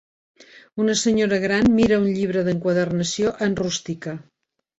Una senyora gran mira un llibre d'enquadernació en rústica.